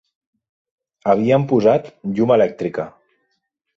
Havien posat llum elèctrica